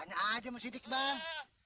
tanya aja mas sidik bang